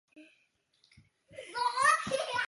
该报曾多次获得普利策奖。